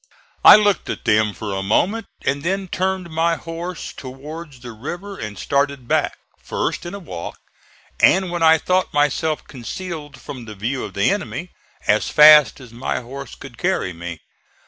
I looked at them for a moment and then turned my horse towards the river and started back, first in a walk, and when I thought myself concealed from the view of the enemy, as fast as my horse could carry me.